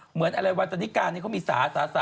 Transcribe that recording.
เหมือนเวสันกาเนี่ยเขามีศาษฐ์